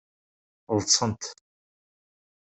Ḍḍsent.